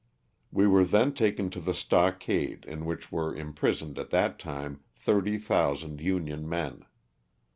We were then taken to the stockade in which were imprisoned at that time thirty thousand Union men.